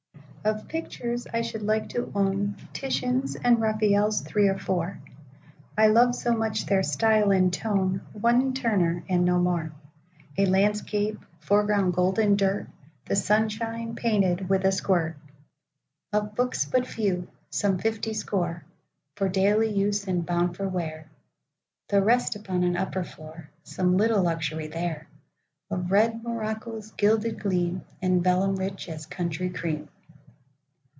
Of pictures, I should like to ownTitians and Raphaels three or four,—I love so much their style and tone, One Turner, and no more(A landscape,—foreground golden dirt,—The sunshine painted with a squirt).Of books but few,—some fifty scoreFor daily use, and bound for wear; The rest upon an upper floor;—Some little luxury thereOf red morocco's gilded gleamAnd vellum rich as country cream.